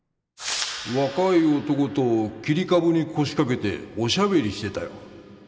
若い男と切り株に腰掛けておしゃべりしてたよ。